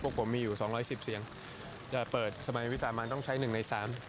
พวกผมมีอยู่๒๑๐เสียงจะเปิดสมัยวิทยาลัยมานต้องใช้๑ใน๓